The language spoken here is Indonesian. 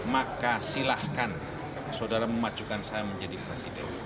maka silahkan saudara memajukan saya menjadi presiden